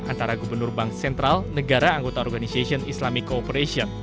antara gubernur bank sentral negara anggota organization islamic cooperation